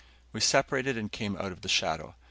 We separated and came out of the shadow.